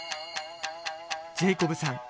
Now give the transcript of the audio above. ジェイコブさん